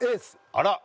あら！